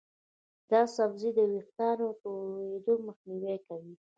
دا سبزی د ویښتانو تویېدو مخنیوی کوي.